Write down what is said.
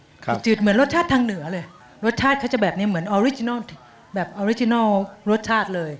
คือจืดเหมือนรสชาติทางเหนือเลยรสชาติเขาจะแบบนี้เหมือนออริจินัลแบบออริจินัลรสชาติเลย